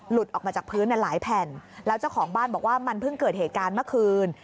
ออกมาจากพื้นหลายแผ่นแล้วเจ้าของบ้านบอกว่ามันเพิ่งเกิดเหตุการณ์เมื่อคืน